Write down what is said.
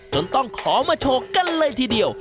จนต้องขอมาโชว์กันเลยทีเดียว